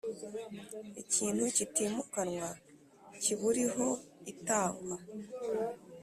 ikintu kitimukanwa kiburiho itangwa